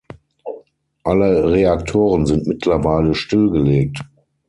Alle Reaktoren sind mittlerweile stillgelegt.